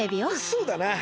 そうだな。